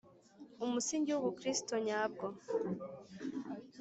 umusingi w’ubukirisitu nyabwo.